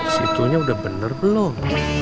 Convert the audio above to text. situnya udah bener belum